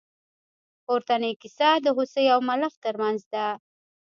پورتنۍ کیسه د هوسۍ او ملخ تر منځ ده.